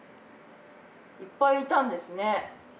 いっぱいいたんですね。